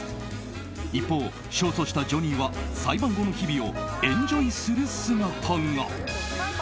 一方、勝訴したジョニーは裁判後の日々をエンジョイする姿が。